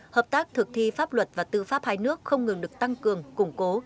hợp tác thực thi pháp luật và tư pháp hai nước không ngừng được tăng cường củng cố